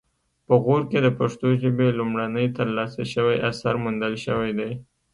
په غور کې د پښتو ژبې لومړنی ترلاسه شوی اثر موندل شوی دی